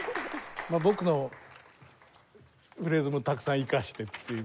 僕のフレーズもたくさん生かしてっていう。